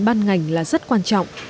ban ngành là rất quan trọng